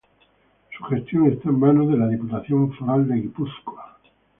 Su gestión está en manos de la Diputación Foral de Guipúzcoa.